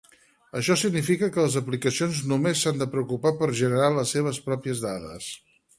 Això significa que les aplicacions només s'han de preocupar per generar les seves pròpies dades.